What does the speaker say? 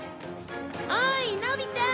おいのび太！